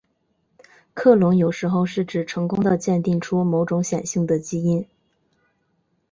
克隆有时候是指成功地鉴定出某种显性的基因。